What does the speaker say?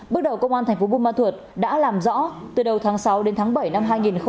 bước đầu công an tp bumathuot đã làm rõ từ đầu tháng sáu đến tháng bảy năm hai nghìn một mươi chín